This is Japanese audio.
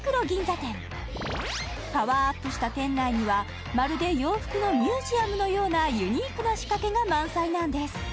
銀座店パワーアップした店内にはまるで洋服のミュージアムのようなユニークな仕掛けが満載なんです